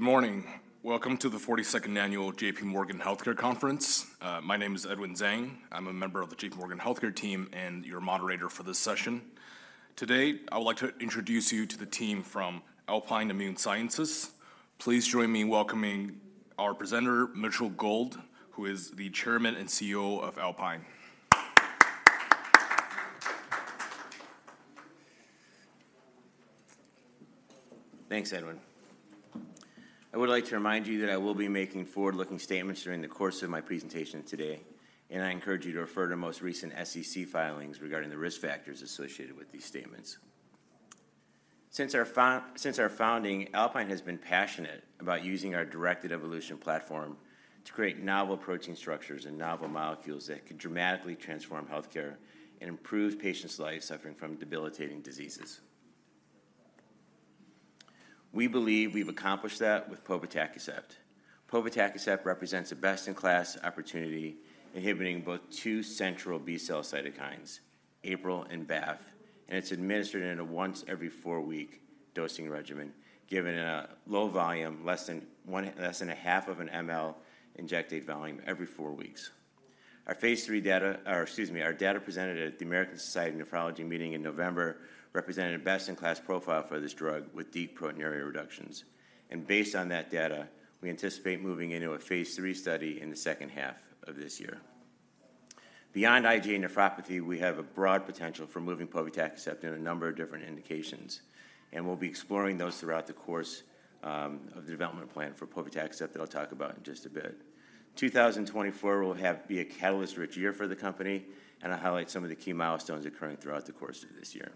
Good morning. Welcome to the 42nd annual J.P. Morgan Healthcare Conference. My name is Edwin Zhang. I'm a member of the J.P. Morgan Healthcare team and your moderator for this session. Today, I would like to introduce you to the team from Alpine Immune Sciences. Please join me in welcoming our presenter, Mitchell Gold, who is the Chairman and CEO of Alpine. Thanks, Edwin. I would like to remind you that I will be making forward-looking statements during the course of my presentation today, and I encourage you to refer to the most recent SEC filings regarding the risk factors associated with these statements. Since our founding, Alpine has been passionate about using our directed evolution platform to create novel protein structures and novel molecules that could dramatically transform healthcare and improve patients' lives suffering from debilitating diseases. We believe we've accomplished that with povetacicept. Povetacicept represents a best-in-class opportunity, inhibiting both two central B-cell cytokines, APRIL and BAFF, and it's administered in a once every four-week dosing regimen, given in a low volume, less than a half of an ml injected volume every four weeks. Our phase 3 data... Or excuse me, our data presented at the American Society of Nephrology meeting in November represented a best-in-class profile for this drug with deep proteinuria reductions, and based on that data, we anticipate moving into a phase 3 study in the second half of this year. Beyond IgA nephropathy, we have a broad potential for moving povetacicept in a number of different indications, and we'll be exploring those throughout the course of the development plan for povetacicept that I'll talk about in just a bit. 2024 will be a catalyst-rich year for the company, and I'll highlight some of the key milestones occurring throughout the course of this year.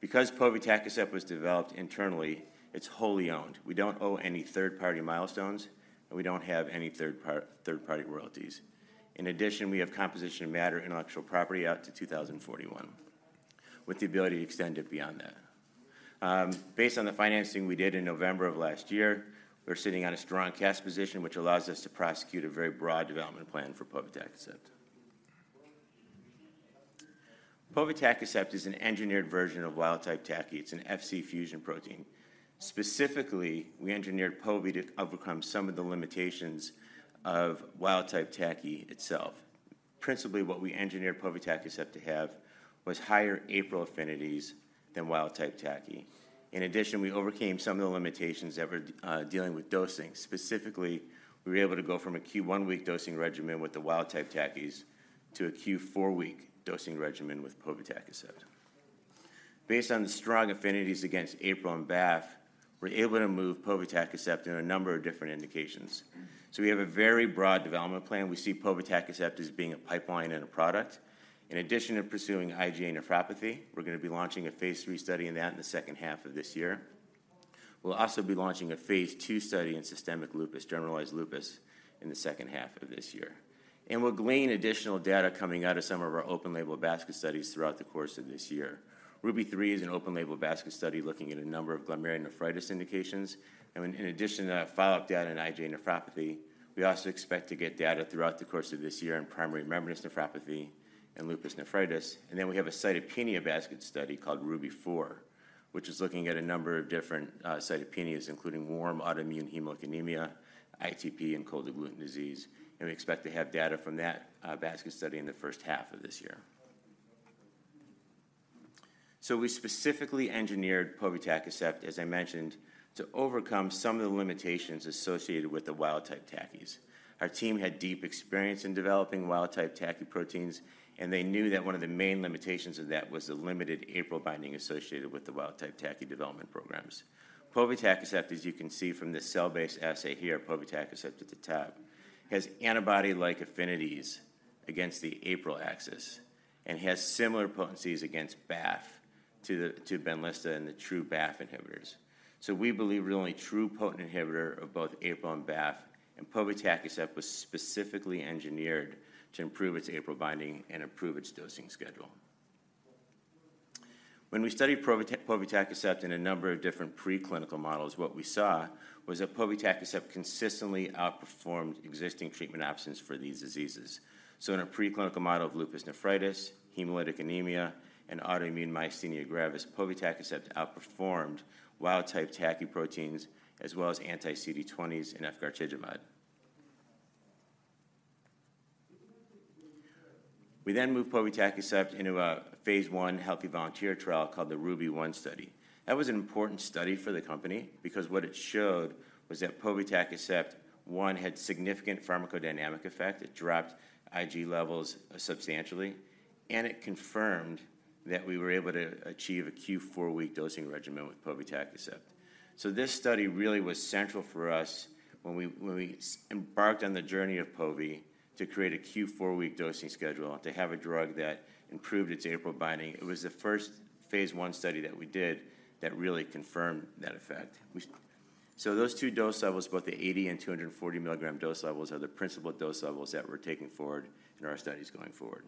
Because povetacicept was developed internally, it's wholly owned. We don't owe any third-party milestones, and we don't have any third-party royalties. In addition, we have composition of matter intellectual property out to 2041, with the ability to extend it beyond that. Based on the financing we did in November of last year, we're sitting on a strong cash position, which allows us to prosecute a very broad development plan for povetacicept. Povetacicept is an engineered version of wild-type TACI. It's an Fc fusion protein. Specifically, we engineered Povi to overcome some of the limitations of wild-type TACI itself. Principally, what we engineered povetacicept to have was higher APRIL affinities than wild-type TACI. In addition, we overcame some of the limitations of dealing with dosing. Specifically, we were able to go from a Q one-week dosing regimen with the wild-type TACIs to a Q four-week dosing regimen with povetacicept. Based on the strong affinities against APRIL and BAFF, we're able to move povetacicept in a number of different indications. So we have a very broad development plan. We see povetacicept as being a pipeline and a product. In addition to pursuing IgA nephropathy, we're gonna be launching a phase 3 study in that in the second half of this year. We'll also be launching a phase 2 study in systemic lupus, generalized lupus, in the second half of this year. We'll glean additional data coming out of some of our open label basket studies throughout the course of this year. RUBY-3 is an open label basket study looking at a number of glomerulonephritis indications. In addition to that follow-up data in IgA nephropathy, we also expect to get data throughout the course of this year in primary membranous nephropathy and lupus nephritis. Then we have a cytopenia basket study called RUBY-4, which is looking at a number of different cytopenias, including warm autoimmune hemolytic anemia, ITP, and cold agglutinin disease, and we expect to have data from that basket study in the first half of this year. So we specifically engineered povetacicept, as I mentioned, to overcome some of the limitations associated with the wild-type TACI. Our team had deep experience in developing wild-type TACI proteins, and they knew that one of the main limitations of that was the limited APRIL binding associated with the wild-type TACI development programs. Povetacicept, as you can see from this cell-based assay here, povetacicept at the top, has antibody-like affinities against the APRIL axis and has similar potencies against BAFF to the Benlysta and the true BAFF inhibitors. So we believe we're the only true potent inhibitor of both APRIL and BAFF, and povetacicept was specifically engineered to improve its APRIL binding and improve its dosing schedule. When we studied povetacicept in a number of different preclinical models, what we saw was that povetacicept consistently outperformed existing treatment options for these diseases. So in a preclinical model of lupus nephritis, hemolytic anemia, and autoimmune myasthenia gravis, povetacicept outperformed wild-type TACI proteins, as well as anti-CD20s and ofatumumab. We then moved povetacicept into a phase 1 healthy volunteer trial called the RUBY-1 study. That was an important study for the company because what it showed was that povetacicept, one, had significant pharmacodynamic effect. It dropped Ig levels substantially, and it confirmed that we were able to achieve a Q4-week dosing regimen with povetacicept. So this study really was central for us when we, when we embarked on the journey of Povi to create a Q 4-week dosing schedule, to have a drug that improved its APRIL binding. It was the first phase I study that we did that really confirmed that effect. So those two dose levels, both the 80 and 240 milligram dose levels, are the principal dose levels that we're taking forward in our studies going forward.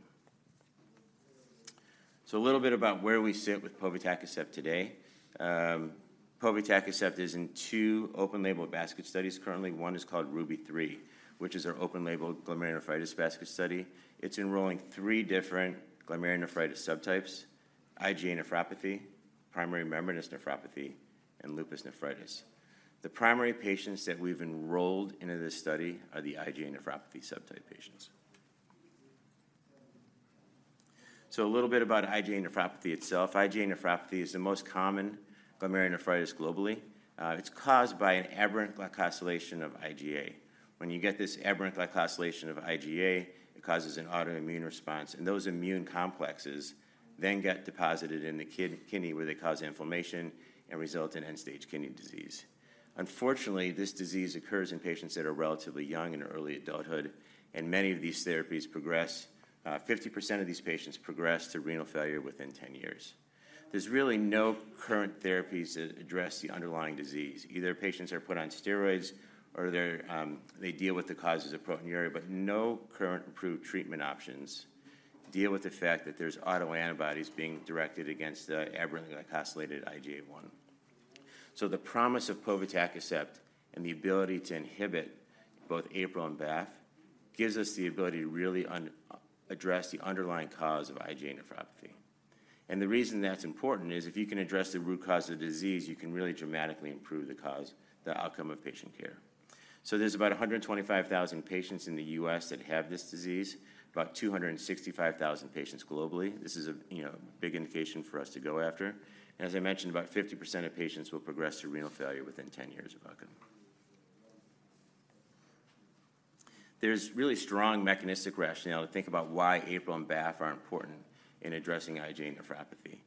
So a little bit about where we sit with povetacicept today. Povetacicept is in two open-label basket studies currently. One is called RUBY-3, which is our open-label glomerulonephritis basket study. It's enrolling three different glomerulonephritis subtypes: IgA nephropathy, primary membranous nephropathy, and lupus nephritis. The primary patients that we've enrolled into this study are the IgA nephropathy subtype patients. So a little bit about IgA nephropathy itself. IgA nephropathy is the most common glomerulonephritis globally. It's caused by an aberrant glycosylation of IgA. When you get this aberrant glycosylation of IgA, it causes an autoimmune response, and those immune complexes then get deposited in the kidney, where they cause inflammation and result in end-stage kidney disease. Unfortunately, this disease occurs in patients that are relatively young, in early adulthood, and many of these therapies progress, 50% of these patients progress to renal failure within 10 years. There's really no current therapies that address the underlying disease. Either patients are put on steroids or they're, they deal with the causes of proteinuria, but no current approved treatment options deal with the fact that there's autoantibodies being directed against the aberrant glycosylated IgA1. So the promise of povetacicept and the ability to inhibit both APRIL and BAFF gives us the ability to really address the underlying cause of IgA nephropathy. The reason that's important is if you can address the root cause of the disease, you can really dramatically improve the cause, the outcome of patient care. There's about 125,000 patients in the US that have this disease, about 265,000 patients globally. This is a, you know, big indication for us to go after. As I mentioned, about 50% of patients will progress to renal failure within 10 years of outcome. There's really strong mechanistic rationale to think about why APRIL and BAFF are important in addressing IgA nephropathy.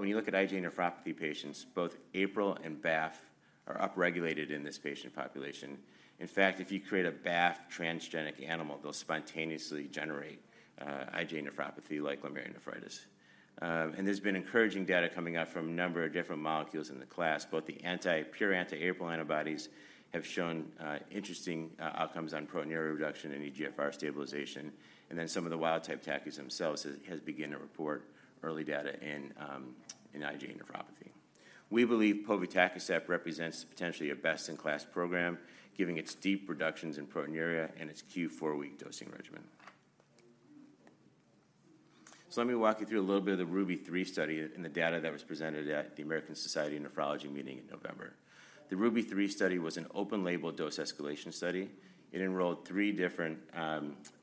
When you look at IgA nephropathy patients, both APRIL and BAFF are upregulated in this patient population. In fact, if you create a BAFF transgenic animal, they'll spontaneously generate IgA nephropathy like glomerulonephritis. And there's been encouraging data coming out from a number of different molecules in the class. Both the anti-BAFF and pure anti-APRIL antibodies have shown interesting outcomes on proteinuria reduction and eGFR stabilization, and then some of the wild-type TACIs themselves has begun to report early data in IgA nephropathy. We believe povetacicept represents potentially a best-in-class program, giving its deep reductions in proteinuria and its Q4-week dosing regimen. So let me walk you through a little bit of the RUBY-3 study and the data that was presented at the American Society of Nephrology meeting in November. The RUBY-3 study was an open-label dose escalation study. It enrolled three different,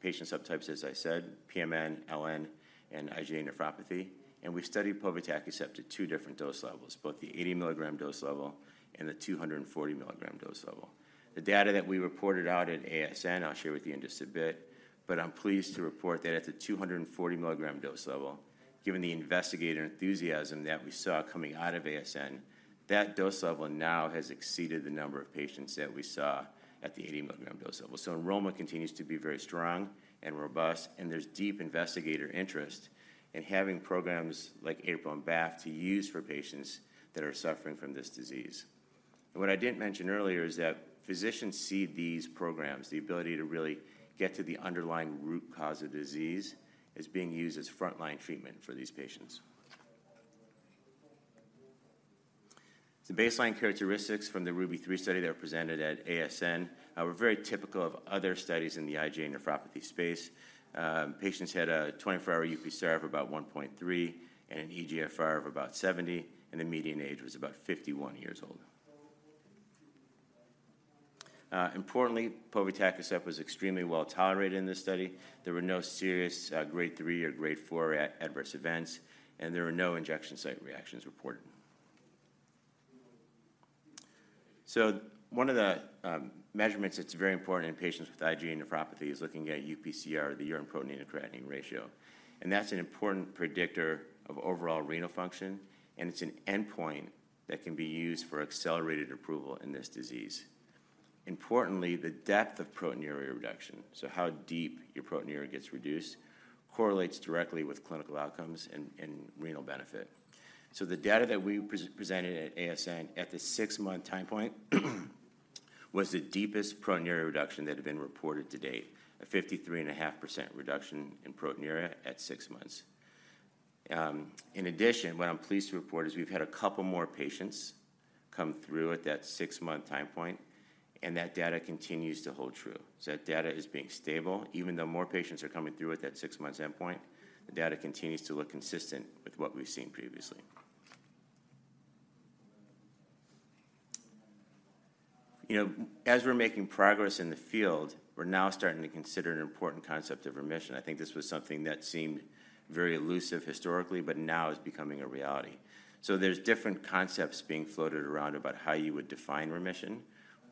patient subtypes, as I said, PMN, LN, and IgA nephropathy, and we've studied povetacicept to two different dose levels, both the 80 milligram dose level and the 240 milligram dose level. The data that we reported out at ASN, I'll share with you in just a bit, but I'm pleased to report that at the 240 milligram dose level, given the investigator enthusiasm that we saw coming out of ASN, that dose level now has exceeded the number of patients that we saw at the 80 milligram dose level. So enrollment continues to be very strong and robust, and there's deep investigator interest in having programs like APRIL and BAFF to use for patients that are suffering from this disease. What I didn't mention earlier is that physicians see these programs, the ability to really get to the underlying root cause of disease, as being used as frontline treatment for these patients. The baseline characteristics from the RUBY-3 study that were presented at ASN were very typical of other studies in the IgA nephropathy space. Patients had a 24-hour UPCr of about 1.3 and an eGFR of about 70, and the median age was about 51 years old. Importantly, povetacicept was extremely well tolerated in this study. There were no serious, grade 3 or grade 4 adverse events, and there were no injection site reactions reported. So one of the measurements that's very important in patients with IgA nephropathy is looking at UPCr, the urine protein to creatinine ratio, and that's an important predictor of overall renal function, and it's an endpoint that can be used for accelerated approval in this disease. Importantly, the depth of proteinuria reduction, so how deep your proteinuria gets reduced, correlates directly with clinical outcomes and renal benefit. So the data that we presented at ASN at the six-month time point was the deepest proteinuria reduction that had been reported to date, a 53.5% reduction in proteinuria at six months. In addition, what I'm pleased to report is we've had a couple more patients come through at that six-month time point, and that data continues to hold true. So that data is being stable. Even though more patients are coming through at that six-month endpoint, the data continues to look consistent with what we've seen previously. You know, as we're making progress in the field, we're now starting to consider an important concept of remission. I think this was something that seemed very elusive historically but now is becoming a reality. So there's different concepts being floated around about how you would define remission.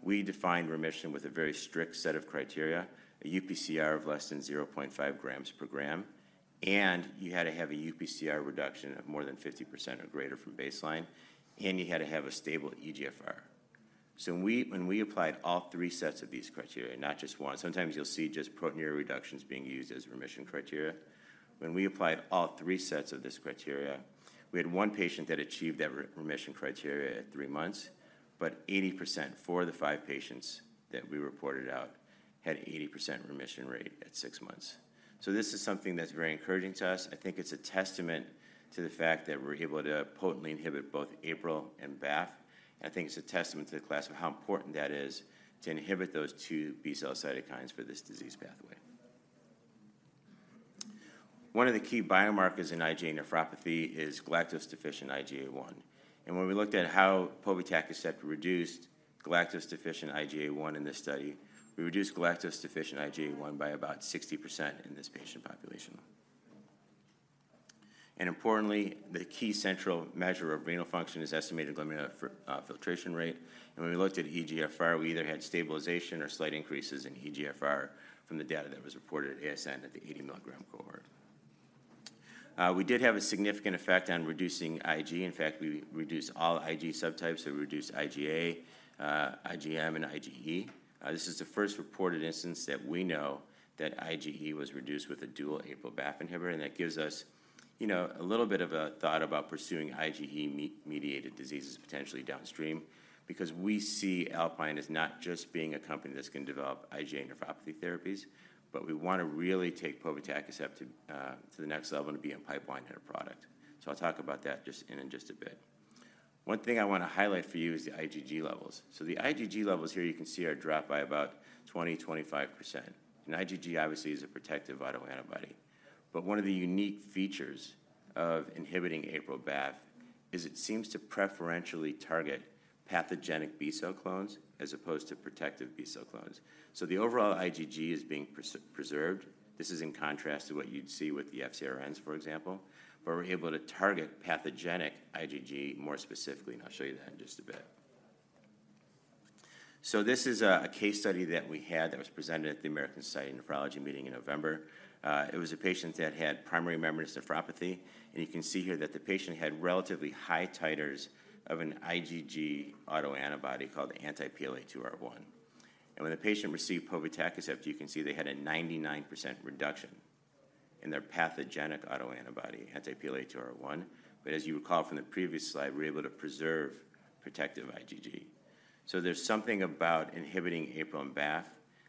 We define remission with a very strict set of criteria, a UPCr of less than 0.5 grams per gram, and you had to have a UPCr reduction of more than 50% or greater from baseline, and you had to have a stable eGFR. So when we applied all three sets of these criteria, not just one... Sometimes you'll see just proteinuria reductions being used as remission criteria. When we applied all three sets of this criteria, we had one patient that achieved that remission criteria at three months, but 80%, four of the five patients that we reported out, had 80% remission rate at six months. So this is something that's very encouraging to us. I think it's a testament to the fact that we're able to potently inhibit both APRIL and BAFF, and I think it's a testament to the class of how important that is to inhibit those two B-cell cytokines for this disease pathway. One of the key biomarkers in IgA nephropathy is galactose-deficient IgA1. And when we looked at how povetacicept reduced galactose-deficient IgA1 in this study, we reduced galactose-deficient IgA1 by about 60% in this patient population. And importantly, the key central measure of renal function is estimated glomerular filtration rate. When we looked at eGFR, we either had stabilization or slight increases in eGFR from the data that was reported at ASN at the 80-milligram cohort. We did have a significant effect on reducing Ig. In fact, we reduced all Ig subtypes. So we reduced IgA, IgM, and IgE. This is the first reported instance that we know that IgE was reduced with a dual APRIL-BAFF inhibitor, and that gives us, you know, a little bit of a thought about pursuing IgE-mediated diseases potentially downstream. Because we see Alpine as not just being a company that's going to develop IgA nephropathy therapies, but we want to really take povetacicept to the next level and be a pipeline hitter product. So I'll talk about that just in just a bit. One thing I want to highlight for you is the IgG levels. So the IgG levels here, you can see, are dropped by about 20%-25%. And IgG, obviously, is a protective autoantibody. But one of the unique features of inhibiting APRIL-BAFF is it seems to preferentially target pathogenic B-cell clones, as opposed to protective B-cell clones. So the overall IgG is being preserved. This is in contrast to what you'd see with the FcRns, for example, where we're able to target pathogenic IgG more specifically, and I'll show you that in just a bit. So this is a case study that we had that was presented at the American Society of Nephrology meeting in November. It was a patient that had primary membranous nephropathy, and you can see here that the patient had relatively high titers of an IgG autoantibody called anti-PLA2R1. When the patient received povetacicept, you can see they had a 99% reduction in their pathogenic autoantibody, anti-PLA2R1. But as you recall from the previous slide, we're able to preserve protective IgG. So there's something about inhibiting APRIL and BAFF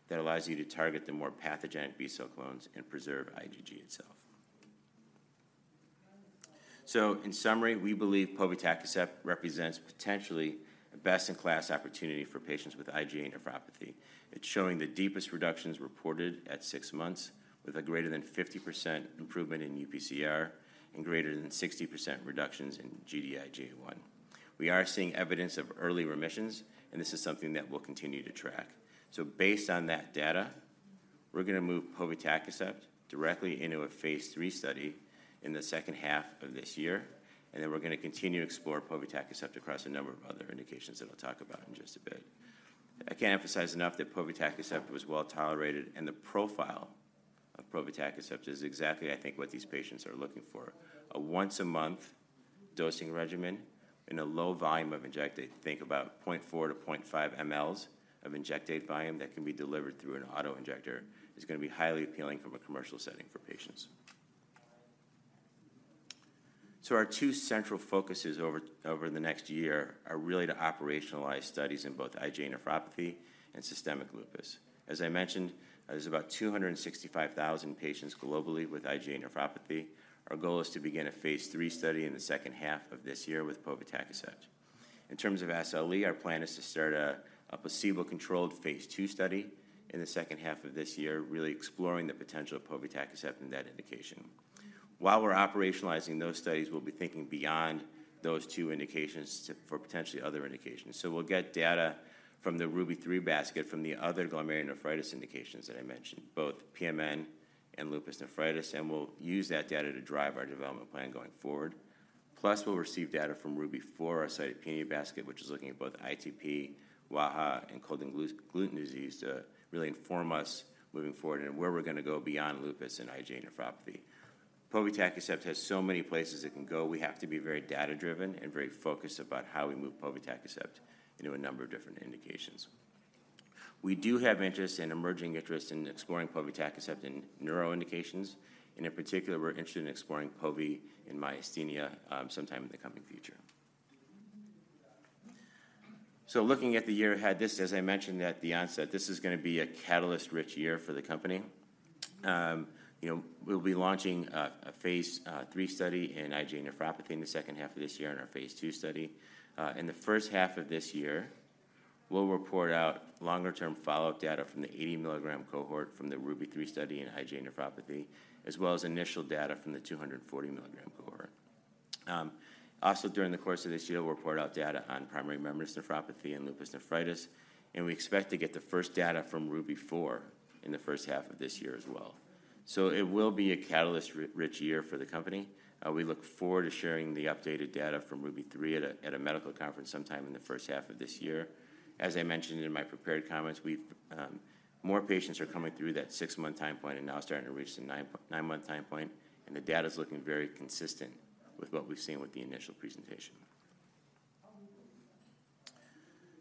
that allows you to target the more pathogenic B-cell clones and preserve IgG itself. So in summary, we believe povetacicept represents potentially the best-in-class opportunity for patients with IgA nephropathy. It's showing the deepest reductions reported at six months, with a greater than 50% improvement in UPCr and greater than 60% reductions in Gd-IgA1. We are seeing evidence of early remissions, and this is something that we'll continue to track. So based on that data, we're gonna move povetacicept directly into a phase 3 study in the second half of this year, and then we're gonna continue to explore povetacicept across a number of other indications that I'll talk about in just a bit. I can't emphasize enough that povetacicept was well-tolerated, and the profile of povetacicept is exactly, I think, what these patients are looking for: a once-a-month dosing regimen and a low volume of injectate. Think about 0.4-0.5 mL of injectate volume that can be delivered through an auto-injector is gonna be highly appealing from a commercial setting for patients. So our two central focuses over, over the next year are really to operationalize studies in both IgA nephropathy and systemic lupus. As I mentioned, there's about 265,000 patients globally with IgA nephropathy. Our goal is to begin a phase 3 study in the second half of this year with povetacicept. In terms of SLE, our plan is to start a placebo-controlled phase 2 study in the second half of this year, really exploring the potential of povetacicept in that indication. While we're operationalizing those studies, we'll be thinking beyond those two indications to, for potentially other indications. So we'll get data from the RUBY-3 basket, from the other glomerulonephritis indications that I mentioned, both PMN and lupus nephritis, and we'll use that data to drive our development plan going forward. Plus, we'll receive data from RUBY-4, our cytopenia basket, which is looking at both ITP, WAH, and cold agglutinin disease, to really inform us moving forward and where we're gonna go beyond lupus and IgA nephropathy. Povetacicept has so many places it can go. We have to be very data-driven and very focused about how we move povetacicept into a number of different indications. We do have interest and emerging interest in exploring povetacicept in neuro indications, and in particular, we're interested in exploring povi and myasthenia sometime in the coming future. So looking at the year ahead, this, as I mentioned at the onset, this is gonna be a catalyst-rich year for the company. You know, we'll be launching a phase 3 study in IgA nephropathy in the second half of this year and our phase 2 study. In the first half of this year, we'll report out longer-term follow-up data from the 80-milligram cohort from the RUBY-3 study in IgA nephropathy, as well as initial data from the 240-milligram cohort. Also, during the course of this year, we'll report out data on primary membranous nephropathy and lupus nephritis, and we expect to get the first data from RUBY-4 in the first half of this year as well. So it will be a catalyst-rich year for the company. We look forward to sharing the updated data from RUBY-3 at a medical conference sometime in the first half of this year. As I mentioned in my prepared comments, more patients are coming through that six-month time point and now starting to reach the nine-month time point, and the data's looking very consistent with what we've seen with the initial presentation.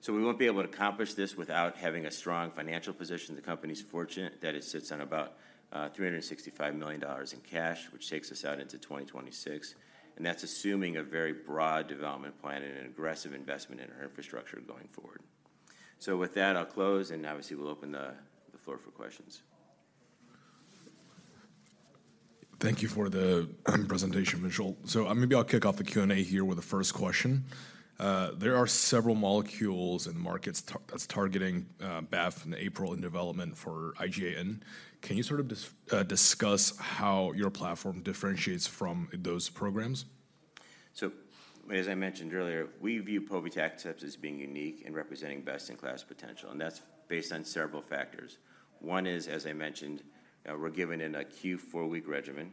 So we won't be able to accomplish this without having a strong financial position. The company's fortunate that it sits on about $365 million in cash, which takes us out into 2026, and that's assuming a very broad development plan and an aggressive investment in our infrastructure going forward. So with that, I'll close, and obviously, we'll open the floor for questions. Thank you for the great presentation, Mitchell. So, maybe I'll kick off the Q&A here with the first question. There are several molecules in the markets that's targeting BAFF and APRIL in development for IgAN. Can you sort of discuss how your platform differentiates from those programs? So as I mentioned earlier, we view povetacicept as being unique and representing best-in-class potential, and that's based on several factors. One is, as I mentioned, we're given in a Q4 week regimen.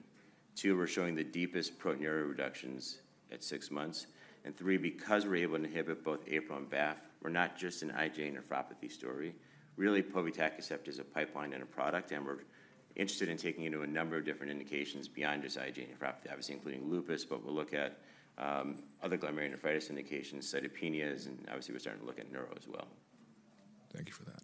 Two, we're showing the deepest proteinuria reductions at six months. And three, because we're able to inhibit both APRIL and BAFF, we're not just an IgA nephropathy story. Really, povetacicept is a pipeline and a product, and we're interested in taking it to a number of different indications beyond just IgA nephropathy, obviously including lupus, but we'll look at other glomerulonephritis indications, cytopenias, and obviously, we're starting to look at neuro as well. Thank you for that.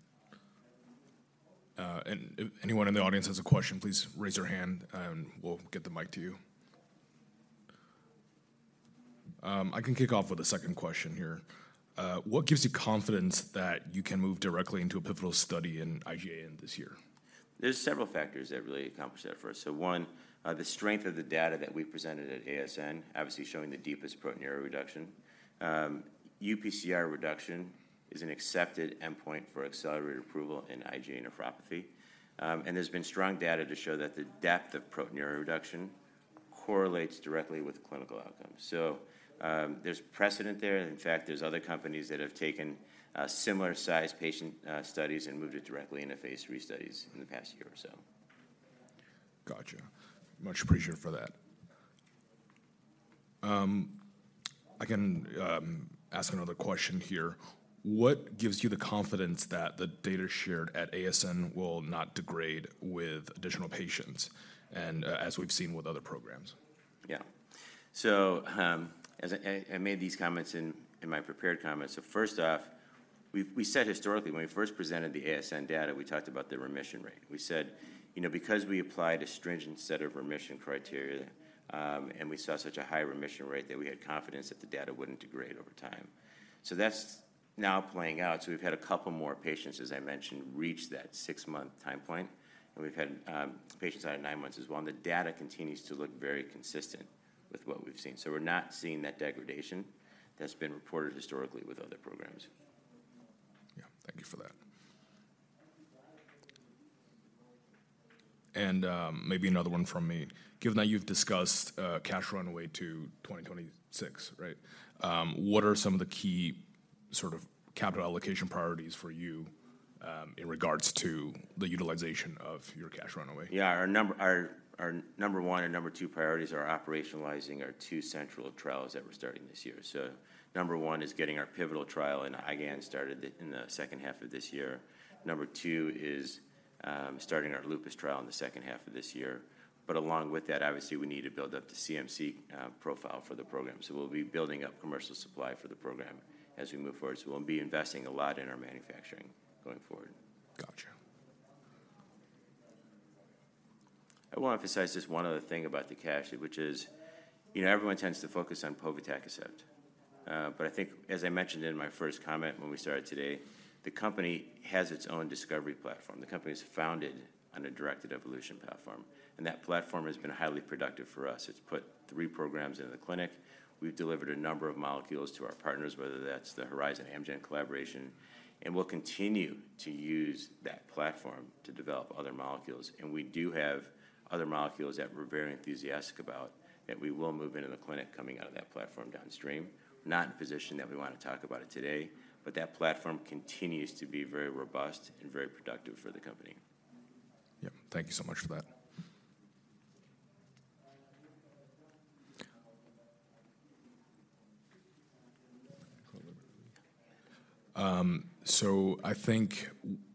If anyone in the audience has a question, please raise your hand, and we'll get the mic to you. I can kick off with a second question here. What gives you confidence that you can move directly into a pivotal study in IgAN this year? There's several factors that really accomplish that for us. So one, the strength of the data that we presented at ASN, obviously showing the deepest proteinuria reduction. UPCR reduction is an accepted endpoint for accelerated approval in IgA nephropathy. And there's been strong data to show that the depth of proteinuria reduction correlates directly with clinical outcomes. So, there's precedent there, and in fact, there's other companies that have taken, similar-sized patient, studies and moved it directly into phase III studies in the past year or so. Gotcha. Much appreciated for that. I can ask another question here. What gives you the confidence that the data shared at ASN will not degrade with additional patients and, as we've seen with other programs? Yeah. So, as I made these comments in my prepared comments. So first off, we said historically, when we first presented the ASN data, we talked about the remission rate. We said, you know, because we applied a stringent set of remission criteria, and we saw such a high remission rate, that we had confidence that the data wouldn't degrade over time. So that's now playing out. So we've had a couple more patients, as I mentioned, reach that 6-month time point, and we've had patients out at 9 months as well, and the data continues to look very consistent with what we've seen. So we're not seeing that degradation that's been reported historically with other programs. Yeah. Thank you for that. And, maybe another one from me: Given that you've discussed cash runway to 2026, right, what are some of the key sort of capital allocation priorities for you, in regards to the utilization of your cash runway? Yeah. Our number one and number two priorities are operationalizing our two central trials that we're starting this year. So number one is getting our pivotal trial in IgAN started in the second half of this year. Number two is starting our lupus trial in the second half of this year. But along with that, obviously, we need to build up the CMC profile for the program. So we'll be building up commercial supply for the program as we move forward. So we'll be investing a lot in our manufacturing going forward. Gotcha. I want to emphasize just one other thing about the cash, which is, you know, everyone tends to focus on povetacicept. But I think, as I mentioned in my first comment when we started today, the company has its own discovery platform. The company is founded on a directed evolution platform, and that platform has been highly productive for us. It's put three programs in the clinic. We've delivered a number of molecules to our partners, whether that's the Horizon Amgen collaboration, and we'll continue to use that platform to develop other molecules, and we do have other molecules that we're very enthusiastic about, that we will move into the clinic coming out of that platform downstream. We're not in a position that we want to talk about it today, but that platform continues to be very robust and very productive for the company. Yep. Thank you so much for that. So I think,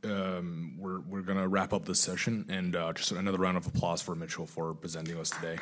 we're gonna wrap up this session, and just another round of applause for Mitchell for presenting to us today.